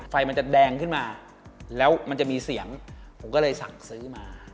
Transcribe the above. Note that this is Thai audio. ไฟมันจะแดงขึ้นมาแล้วมันจะมีเสียงผมก็เลยสั่งซื้อมา